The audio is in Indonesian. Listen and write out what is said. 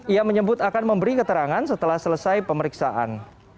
ia menyebut akan memberi keterangan setelah selesai pemeriksaan